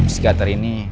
sejak hari ini